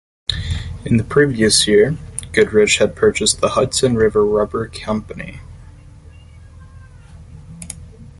In the previous year, Goodrich had purchased the Hudson River Rubber Company.